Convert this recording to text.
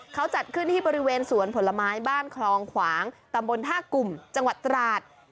เขาจัดขึ้นที่บริเวณสวนผลไม้บ้านคลองขวางตำบลท่ากลุ่มจังหวัดตราด